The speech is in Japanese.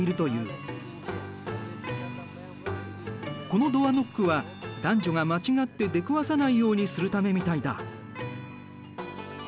このドアノックは男女が間違って出くわさないようにするためみたいだ。